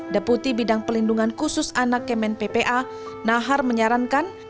deputi bidang pelindungan khusus anak kemen ppa nahar menyarankan